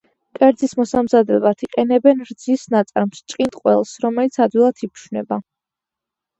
კერძის მოსამზადებლად იყენებენ რძის ნაწარმს, ჭყინტ ყველს, რომელიც ადვილად იფშვნება.